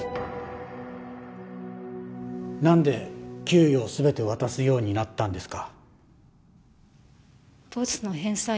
なんで給与全て渡すようになったんですか？